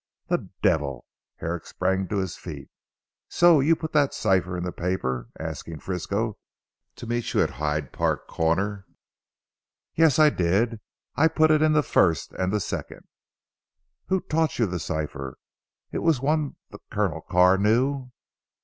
"The devil!" Herrick sprang to his feet. "So you put that cipher in the paper, asking Frisco to meet you at Hyde Park Corner." "Yes I did. I put in the first and the second." "Who taught you the cipher? It was one that Colonel Carr knew."